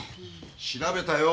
調べたよ。